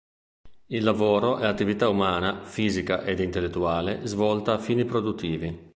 Il lavoro è l'attività umana, fisica ed intellettuale, svolta a fini produttivi.